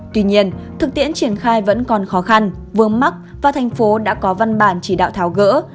tuy nhiên thực tiễn triển khai vẫn còn khó khăn vướng mắt và thành phố đã có văn bản chỉ đạo tháo gỡ